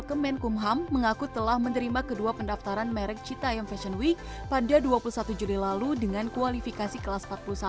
kemenkumham mengaku telah menerima kedua pendaftaran merek citaiam fashion week pada dua puluh satu juli lalu dengan kualifikasi kelas empat puluh satu